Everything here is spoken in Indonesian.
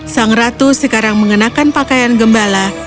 sang ratu sekarang mengenakan pakaian gembala